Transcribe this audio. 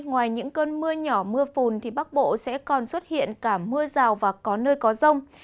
ngoài những cơn mưa nhỏ mưa phùn thì bắc bộ sẽ còn xuất hiện cả mưa rào và có nơi có rông